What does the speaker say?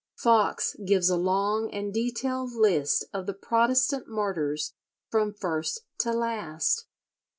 Foxe gives a long and detailed list of the Protestant martyrs from first to last.